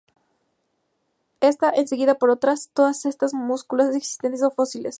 Ésta es seguida por otras, todas sobre moluscos existentes o fósiles.